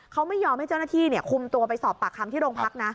เขาไม่ยอมให้เจ้าหน้าที่คุมตัวไปสอบปากคำที่โรงพักนะ